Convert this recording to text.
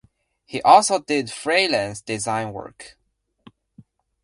He also did freelance design work.